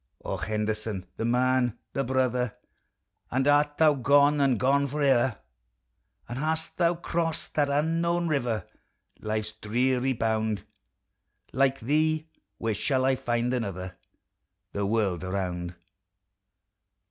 O Henderson, the man ! the brother ! And art thou gone, and gone forever! And hast thou crost that unknown river, Life's dreary bound! Like thee where shall I find another, The world around